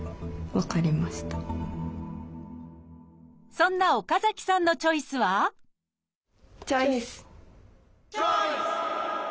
そんな岡崎さんのチョイスはチョイス！